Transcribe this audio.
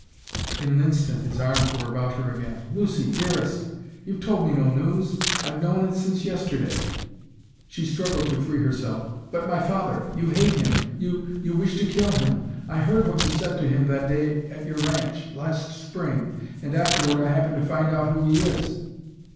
In an instant his arms were about her again. "Lucy, dearest, you've told me no news! I've known it since yesterday." She struggled to free herself. "But my father you hate him you you wish to kill him I heard what you said to him that day at your ranch, last Spring and afterward I happened to find out who he is."